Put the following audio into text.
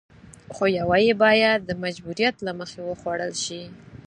خو يوه يې بايد د مجبوريت له مخې وخوړل شي.